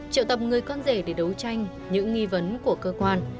triệu tập người con rể để đấu tranh những nghi vấn của cơ quan